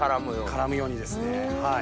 絡むようにですね。